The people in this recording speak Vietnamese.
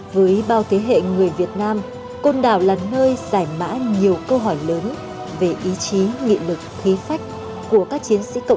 với bao thế hệ người việt nam côn đảo là nơi giải mã nhiều câu hỏi lớn về ý chí nghị lực khí phách của các chiến sĩ cộng